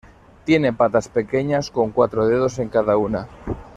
Tiene patas pequeñas con cuatro dedos en cada una.